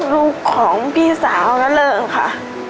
ลูกของพี่สาวนเริงค่ะ